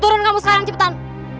turun kamu sekarang ceptan